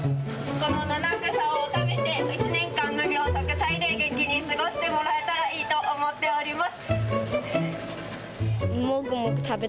この七草を食べて、１年間、無病息災で元気に過ごしてもらえたらいいと思っております。